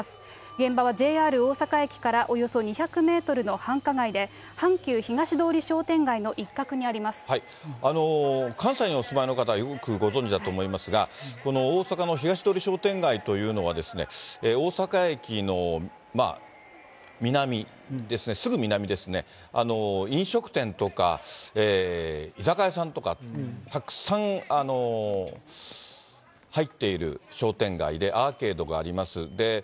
現場はＪＲ大阪駅からおよそ２００メートルの繁華街で、関西にお住まいの方、よくご存じだと思いますが、大阪の東通商店街というのは、大阪駅のまあ、南ですね、すぐ南ですね、飲食店とか居酒屋さんとか、たくさん入っている商店街で、アーケードがあります。